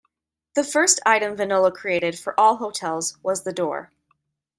The first item Venola created for all hotels was the door.